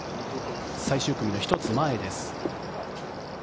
最終組の１つ前です。